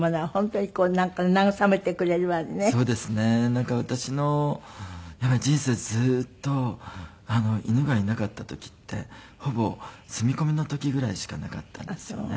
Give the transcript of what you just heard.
なんか私の人生ずっと犬がいなかった時ってほぼ住み込みの時ぐらいしかなかったんですよね。